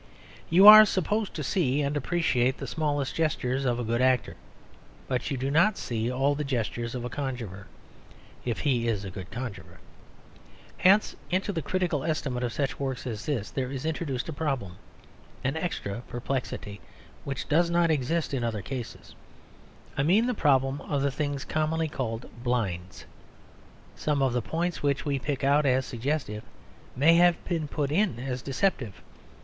You are supposed to see and appreciate the smallest gestures of a good actor; but you do not see all the gestures of a conjuror, if he is a good conjuror. Hence, into the critical estimate of such works as this, there is introduced a problem, an extra perplexity, which does not exist in other cases. I mean the problem of the things commonly called blinds. Some of the points which we pick out as suggestive may have been put in as deceptive.